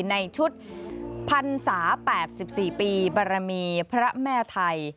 ในชุดพันศา๘๔ปีบารมีพระแม่ไทย